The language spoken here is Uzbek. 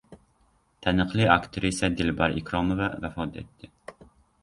Taniqli aktrisa Dilbar Ikromova vafot etdi